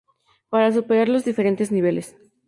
Para superar los diferentes niveles.